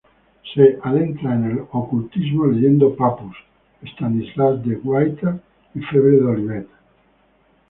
Se adentra en el ocultismo leyendo Papus, Stanislas de Guaita, Fabre d’Olivet.